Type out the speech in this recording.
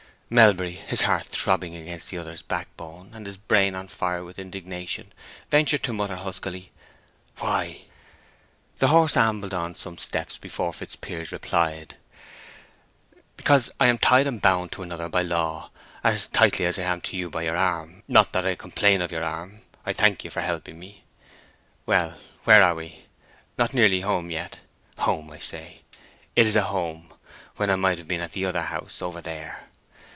Melbury, his heart throbbing against the other's backbone, and his brain on fire with indignation, ventured to mutter huskily, "Why?" The horse ambled on some steps before Fitzpiers replied, "Because I am tied and bound to another by law, as tightly as I am to you by your arm—not that I complain of your arm—I thank you for helping me. Well, where are we? Not nearly home yet?...Home, say I. It is a home! When I might have been at the other house over there."